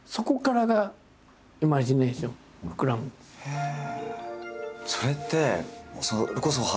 へえ！